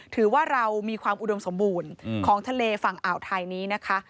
ถือว่าเรามีความอุดมสมบูรณ์ของทะเลฝั่งอ่าวไทยนี้นะคะ